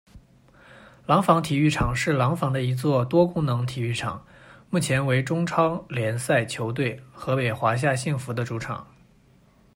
廊坊体育场是廊坊的一座多功能体育场，目前为中超联赛球队河北华夏幸福的主场。